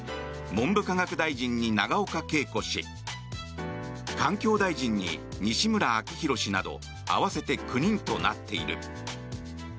文部科学大臣に永岡桂子氏環境大臣に西村明宏氏など合わせて９人となっている。